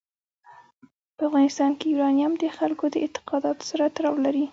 په افغانستان کې یورانیم د خلکو د اعتقاداتو سره تړاو لري.